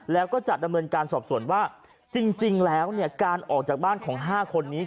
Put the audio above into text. แล้วก็จะดำเนินการสอบส่วนว่าจริงแล้วเนี่ยการออกจากบ้านของ๕คนนี้